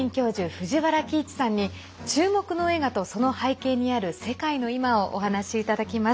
藤原帰一さんに注目の映画とその背景にある「世界のいま」をお話いただきます。